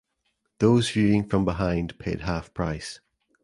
Those viewing from behind paid half price.